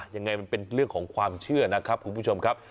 ยังไงมันเป็นเรื่องของความเชื่อนะครับคุณผู้ชมครับ